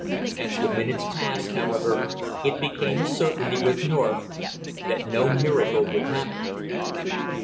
As the minutes passed, however, it became a certainty with North that no miracle would happen.